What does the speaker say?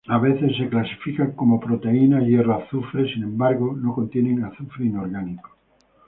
A veces son clasificadas como proteínas hierro-azufre, sin embargo no contienen azufre inorgánico.